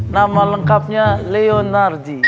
nama lengkapnya leo narji